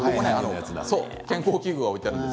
健康器具が置いてあります。